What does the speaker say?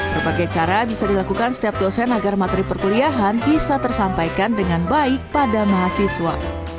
berbagai cara bisa dilakukan setiap dosen agar materi perkuliahan bisa tersampaikan dengan baik pada mahasiswa